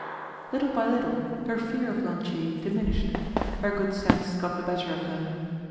Little by little, her fear of Lantier diminished; her good sense got the better of her.